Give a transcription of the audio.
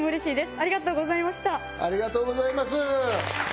ありがとうございます。